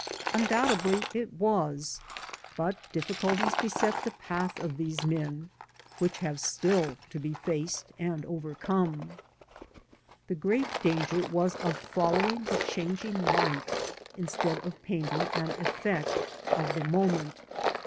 Undoubtedly it was; but difficulties beset the path of these men, which have still to be faced and overcome. The great danger was of following the changing light instead of painting an effect of the moment.